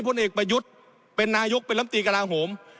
พลเอกประยุทธ์เป็นนายกเป็นลำตีกระลาโหม